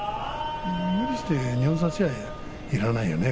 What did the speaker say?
無理して二本差しはいらないよね